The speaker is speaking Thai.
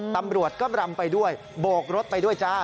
ตำรวจก็รำไปด้วยโบกรถไปด้วยจ้า